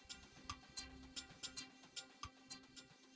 aku adalah malaikat maut